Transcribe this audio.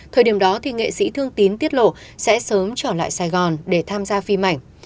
thời điểm đó thì nghệ sĩ thương tín tiết lộ sẽ sớm trở lại sài gòn để tham gia phim ảnh